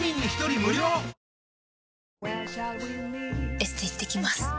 エステ行ってきます。